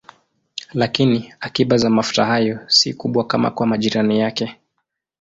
Lakini akiba za mafuta hayo si kubwa kama kwa majirani yake.